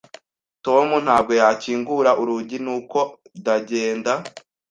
Tom ntabwo yakingura urugi, nuko ndagenda.